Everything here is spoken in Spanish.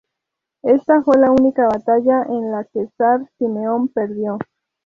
Esta fue la única batalla en la que el zar Simeón perdió.